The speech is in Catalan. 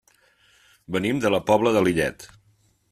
Venim de la Pobla de Lillet.